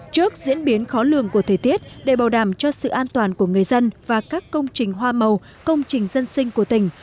trước diễn biến khó lường của thời tiết để bảo đảm cho sự an toàn của người dân và các công trình hoa màu công trình dân sinh của tỉnh